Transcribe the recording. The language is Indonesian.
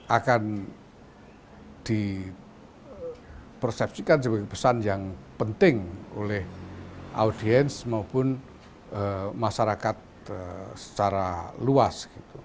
akan dipersepsikan sebagai pesan yang penting oleh audiens maupun masyarakat secara luas